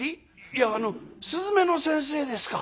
いやあの雀の先生ですか。